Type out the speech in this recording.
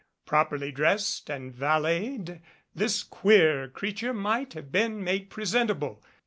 Properly dressed and valeted this queer creature might have been made presentable.